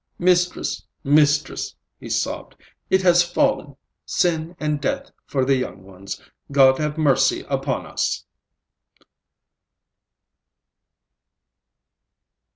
"Mistress, mistress," he sobbed, "it has fallen! Sin and death for the young ones! God have mercy upon us!"